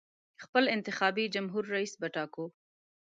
خپل انتخابي جمهور رییس به ټاکو.